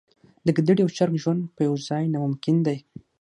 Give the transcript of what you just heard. د ګیدړې او چرګ ژوند په یوه ځای ناممکن دی.